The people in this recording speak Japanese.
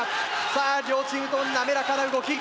さあ両チームとも滑らかな動き。